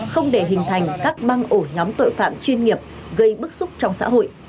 không để hình thành các băng ổ nhóm tội phạm chuyên nghiệp gây bức xúc trong xã hội